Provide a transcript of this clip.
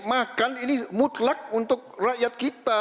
makan ini mutlak untuk rakyat kita